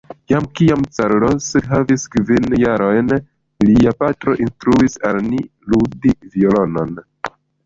Jam kiam Carlos havis kvin jarojn, lia patro instruis al ni ludi violonon.